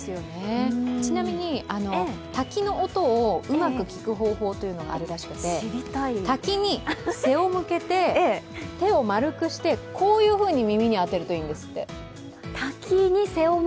ちなみに滝の音をうまく聞く方法があるらしくて滝に背を向けて、手を丸くしてこういうふうに耳に当てるといいんですって。